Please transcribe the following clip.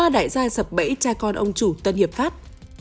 ba đại gia sập bẫy cha con ông chủ tân hiệp pháp